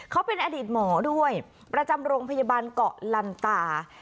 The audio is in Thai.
เขาเป็นอดีตหมอด้วยประจำโรงพยาบาลเกาะลันตา